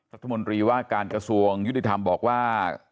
รัฐมนตรีว่าการกระทรวงยุติธรรมบอกว่า